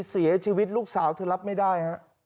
เสียชีวิตลูกสาวเธอรับไม่ได้ฮะ